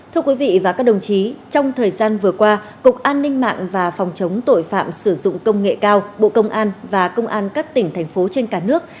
thưa quý vị và các đồng chí trong thời gian vừa qua cục an ninh mạng và phòng chống tội phạm sử dụng công nghệ cao bộ công an và công an các tỉnh thành phố trên cả nước